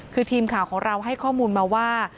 คือทีมข่าวของเราให้ข้อมูลมาว่า